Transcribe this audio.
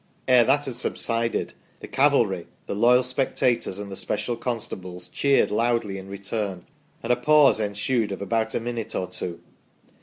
Ere that had subsided, 30 THE STORY OF PETERLOO the cavalry, the loyal spectators, and the special constables cheered loudly in return, and a pause ensued of about a minute or two.